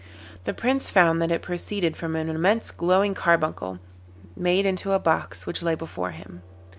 The Prince found that it proceeded from an immense glowing carbuncle, made into a box, which lay before him.